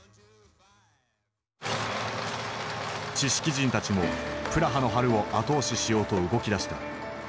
知識人たちも「プラハの春」を後押ししようと動きだした。